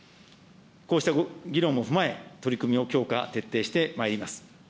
こうした議論も踏まえ、取り組みを強化、徹底してまいります。